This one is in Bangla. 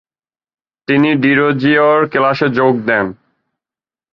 তিনি ডিরোজিওর ক্লাসে যোগ দেন।